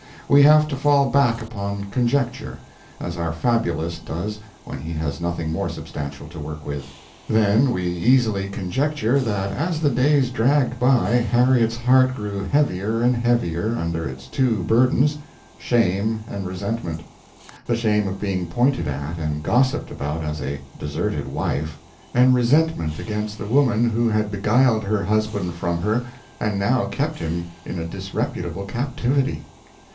We have to fall back upon conjecture, as our fabulist does when he has nothing more substantial to work with. Then we easily conjecture that as the days dragged by Harriet's heart grew heavier and heavier under its two burdens shame and resentment: the shame of being pointed at and gossiped about as a deserted wife, and resentment against the woman who had beguiled her husband from her and now kept him in a disreputable captivity.